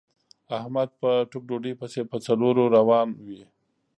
احمد په ټوک ډوډۍ پسې په څلور روان وي.